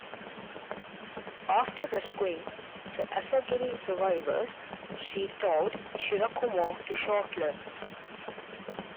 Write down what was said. After rescuing the "Asagiri" survivors, she towed "Shirakumo" to Shortlands.